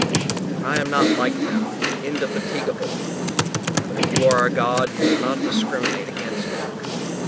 I am not like them, indefatigable, but if you are a god you will not discriminate against me.